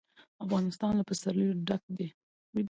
افغانستان له پسرلی ډک دی.